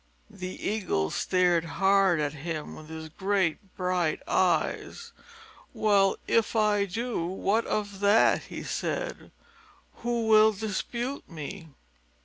The Eagle stared hard at him with his great bright eyes. "Well, if I do, what of that?" he said. "Who will dispute me?"